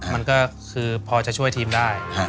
มันก็คือพอจะช่วยทีมได้